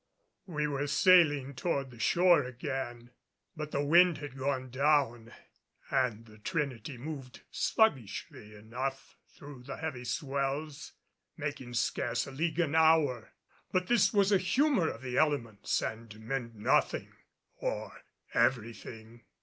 We were sailing toward the shore again, but the wind had gone down and the Trinity moved sluggishly enough through the heavy swells, making scarce a league an hour. But this was a humor of the elements and meant nothing or everything.